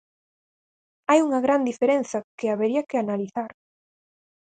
Hai unha gran diferenza que habería que analizar.